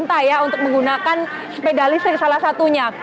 ini untuk pemerintah untuk menggunakan sepeda listrik salah satunya